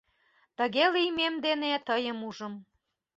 Тыге лиймем дене тыйым ужым.